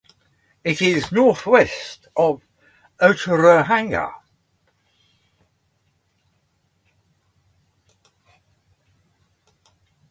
It is northwest of Otorohanga.